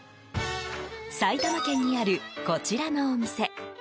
埼玉県にある、こちらのお店。